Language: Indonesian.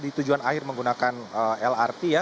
di tujuan akhir menggunakan lrt ya